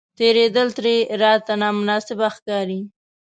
تېرېدل ترې راته نامناسبه ښکاري.